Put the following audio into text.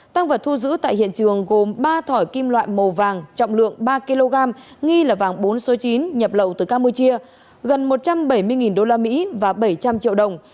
tăng vật thu giữ tại hiện trường gồm ba thỏi kim loại màu vàng trọng lượng ba kg nghi là vàng bốn số chín nhập lậu từ campuchia gần một trăm bảy mươi usd và bảy trăm linh triệu đồng